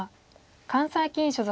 関西棋院所属。